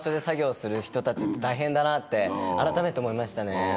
あらためて思いましたね。